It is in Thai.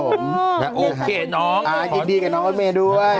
โอเคนะคะดูดีกับน้องบอลแมนต์ด้วย